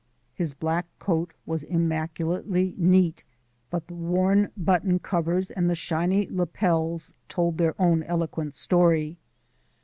His black coat was immaculately neat, but the worn button covers and the shiny lapels told their own eloquent story.